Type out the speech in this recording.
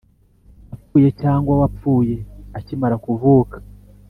apfuye cyangwa wapfuye akimara kuvuka